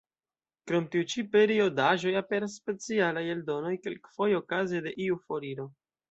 Krom tiu ĉi periodaĵoj, aperas specialaj eldonoj, kelkfoje okaze de iu foiro.